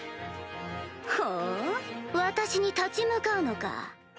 ほぅ私に立ち向かうのか。